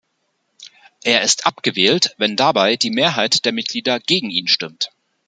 Er ist abgewählt, wenn dabei die Mehrheit der Mitglieder gegen ihn stimmt.